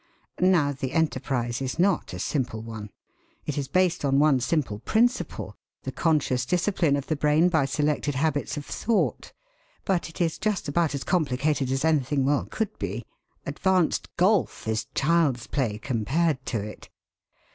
Now, the enterprise is not a simple one. It is based on one simple principle the conscious discipline of the brain by selected habits of thought but it is just about as complicated as anything well could be. Advanced golf is child's play compared to it.